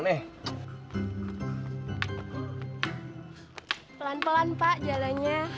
pelan pelan pak jalannya